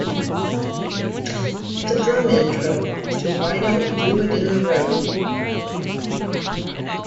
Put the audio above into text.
The drum intro to Why Don't We Do It in the Road?